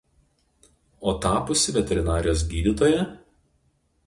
O tapusi veterinarijos gydytoja